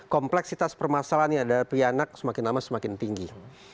kompleksitas permasalahan ini adalah pria anak semakin lama semakin tinggi